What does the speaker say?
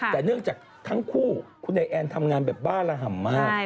แต่เนื่องจากทั้งคู่คุณไอแอนทำงานแบบบ้าระห่ำมาก